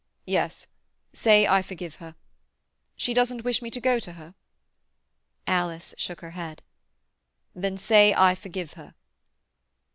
"Yes, say I forgive her. She doesn't wish me to go to her?" Alice shook her head. "Then say I forgive her."